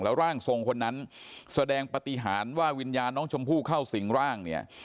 ร่างทรงคนนั้นแสดงปฏิหารว่าวิญญาณน้องชมพู่เข้าสิงร่างเนี่ย